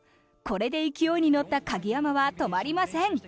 これで勢いに乗った鍵山は止まりません。